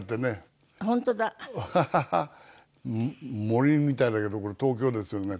森みたいだけどこれ東京ですよね。